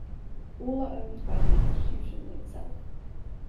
All are owned by the Institution itself.